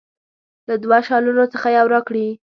له دوه شالونو څخه یو راکړي.